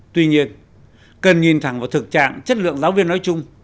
tuy nhiên cần nhìn thẳng vào thực trạng chất lượng giáo viên nói chung